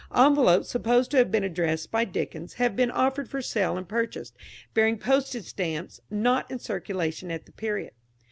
Envelopes supposed to have been addressed by Dickens have been offered for sale and purchased, bearing postage stamps not in circulation at the period.